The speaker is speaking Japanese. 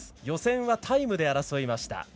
予選はタイムで争いました。